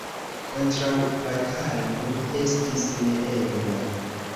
Kontraŭbatalo estis neebla.